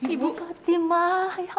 ibu fatimah ya allah